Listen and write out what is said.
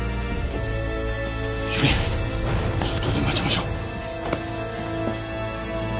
主任外で待ちましょう。